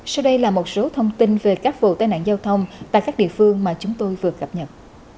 sau đây là một số thông tin về các vụ tai nạn giao thông tại các địa phương mà chúng tôi vừa cập nhật